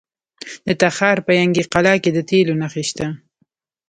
د تخار په ینګي قلعه کې د تیلو نښې شته.